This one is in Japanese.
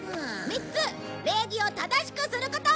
三つ礼儀を正しくすること。